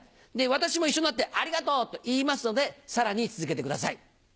私も一緒になってありがとうと言いますので、さらに続けてください。